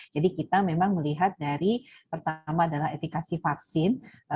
jadi kita memang melihat dari pertama adalah efikasi vaksin